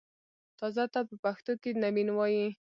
تازه ته په پښتو کښې نوين وايي